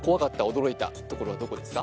驚いたところはどこですか？